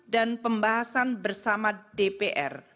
dan pembahasan bersama dpr